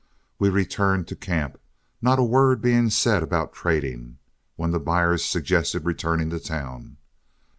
We returned to camp, not a word being said about trading, when the buyers suggested returning to town.